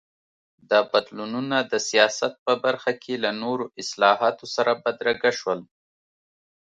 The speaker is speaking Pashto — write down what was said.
دا بدلونونه د سیاست په برخه کې له نورو اصلاحاتو سره بدرګه شول.